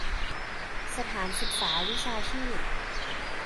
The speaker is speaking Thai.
สถานศึกษาวิชาชีพ